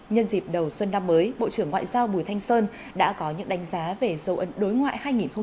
nhân dịp đầu xuân năm mới bộ trưởng ngoại giao bùi thanh sơn đã có những đánh giá về dấu ấn đối ngoại hai nghìn hai mươi ba